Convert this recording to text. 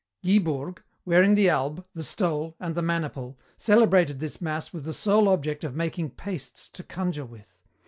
"Guibourg, wearing the alb, the stole, and the maniple, celebrated this mass with the sole object of making pastes to conjure with.